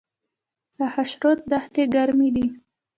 د خاشرود دښتې ګرمې دي